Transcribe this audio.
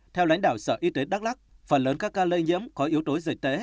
theo lãnh đạo sở y tế đắk lắc phần lớn các ca lây nhiễm có yếu tố dịch tễ